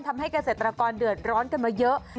ทำให้เกษตรกรเดือดร้อนกันมาเยอะ